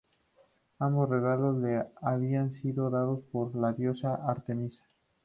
Ambos regalos le habían sido dados por la diosa Artemisa.